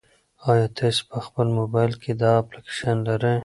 ایا تاسي په خپل موبایل کې دا اپلیکیشن لرئ؟